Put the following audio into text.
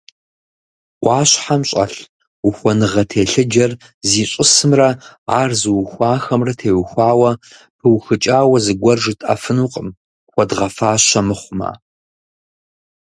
Ӏуащхьэм щӀэлъ ухуэныгъэ телъыджэр зищӀысымрэ ар зыухуахэмрэ теухуауэ пыухыкӀауэ зыгуэр жытӀэфынукъым, хуэдгъэфащэ мыхъумэ.